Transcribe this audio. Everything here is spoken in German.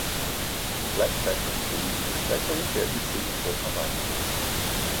Gleichzeitig ging die Besprechung der übrigen Täter weiter.